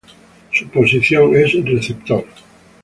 Su posición es receptor.